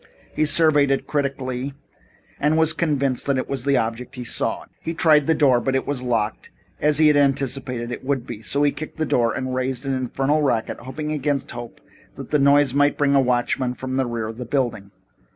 He surveyed it critically and was convinced that it was the object he sought. He tried the door, but it was locked, as he had anticipated it would be. So he kicked the door and raised an infernal racket, hoping against hope that the noise might bring a watchman from the rear of the building.